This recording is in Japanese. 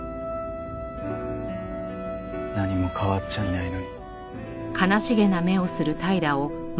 何も変わっちゃいないのに。